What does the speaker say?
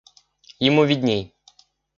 Ему видней.